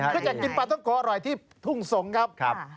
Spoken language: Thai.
เพื่อได้กินปลาทนกรรมร้อยที่พุ่งส่งครับ